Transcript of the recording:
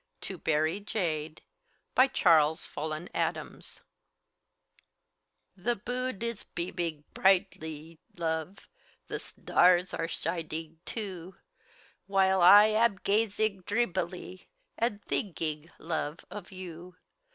TO BARY JADE BY CHARLES FOLLEN ADAMS The bood is beabig brighdly, love; The sdars are shidig too; While I ab gazig dreabily, Add thigkig, love, of you.